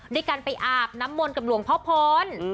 ด้วยการไปอาบน้ำมนต์กับหลวงพ่อพล